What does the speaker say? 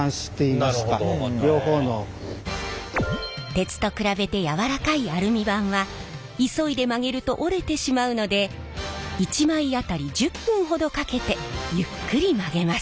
鉄と比べて柔らかいアルミ板は急いで曲げると折れてしまうので１枚当たり１０分ほどかけてゆっくり曲げます。